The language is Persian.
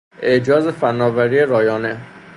اعجاز فنآوری رایانه